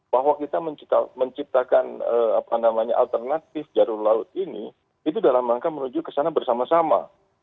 bahwa kita menciptakan alternatif jalur laut ini itu dalam rangka menuju ke sana bersama sama